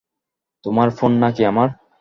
তোমার ফোন নাকি আমার?